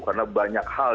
karena banyak hal